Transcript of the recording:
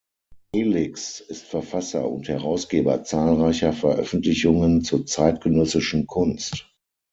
Felix ist Verfasser und Herausgeber zahlreicher Veröffentlichungen zur zeitgenössischen Kunst.